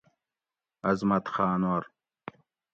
عظمت خاۤنور